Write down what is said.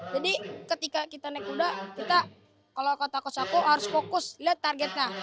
jadi ketika kita naik kuda kita kalau kota kosako harus fokus lihat targetnya